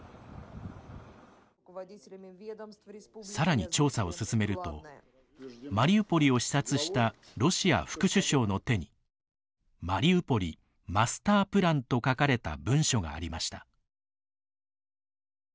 さらに調査を進めるとマリウポリを視察したロシア副首相の手に「マリウポリ・マスタープラン」と書かれた文書がありました。